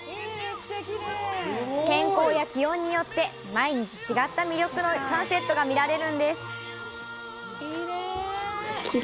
天候や気温によって毎日違った魅力のサンセットが見られるんですって。